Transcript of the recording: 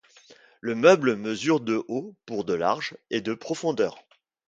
Le meuble mesure de haut pour de large et de profondeur.